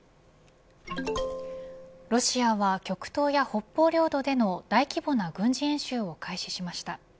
ロシアは極東や北方領土の大規模な軍事演習を開始しました。